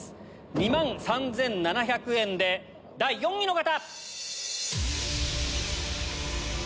２万３７００円で第４位の方！